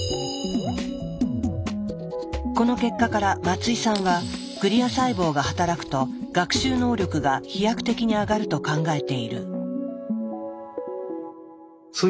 この結果から松井さんはグリア細胞が働くと学習能力が飛躍的に上がると考えている。